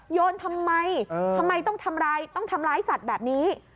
โยนทำไมทำไมต้องทำร้ายสัตว์แบบนี้